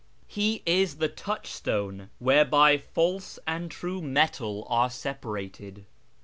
He is the touchstone whereby false and true aetal are separated.